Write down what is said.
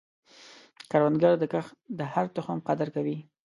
کروندګر د کښت د هر تخم قدر کوي